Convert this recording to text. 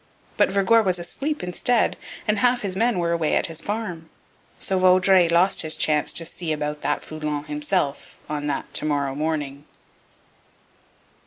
But Vergor was asleep instead, and half his men were away at his farm. So Vaudreuil lost his chance to 'see about that Foulon himself' on that 'to morrow morning.'